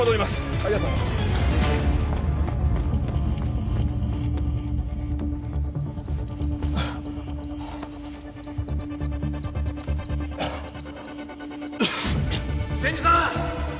ありがとう千住さん！